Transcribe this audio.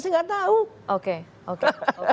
saya nggak tahu oke oke